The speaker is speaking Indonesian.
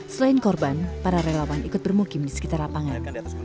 selain korban para relawan ikut bermukim di sekitar lapangan